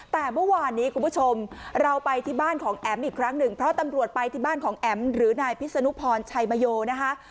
แต่เมื่อวานนี้คุณผู้ชมเราไปที่บ้านของแอ๋มอีกครั้งหนึ่งเพราะตำรวจไปที่บ้านของแอ๋มหรือนายพิษนุพรชัยมโยนะคะ